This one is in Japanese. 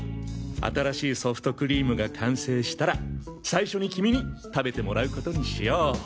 新しいソフトクリームが完成したら最初に君に食べてもらうことにしよう。